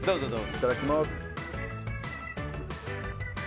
いただきます。